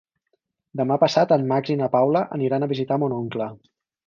Demà passat en Max i na Paula aniran a visitar mon oncle.